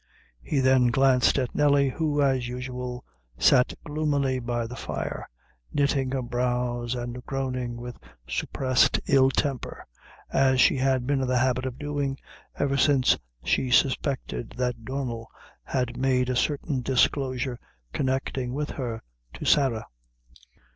He then glanced at Nelly, who, as usual, sat gloomily by the fire, knitting her brows and groaning with suppressed ill temper as she had been in the habit of doing, ever since she suspected that Donnel had made a certain disclosure, connecting with her, to Sarah.